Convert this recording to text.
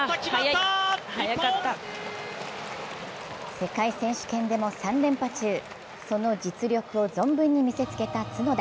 世界選手権でも３連覇中、その実力を存分に見せつけた角田。